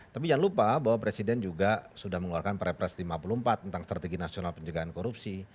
tapi jangan lupa bahwa presiden juga sudah mengeluarkan perpres lima puluh empat tentang strategi nasional pencegahan korupsi